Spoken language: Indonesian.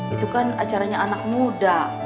itu kan acaranya anak muda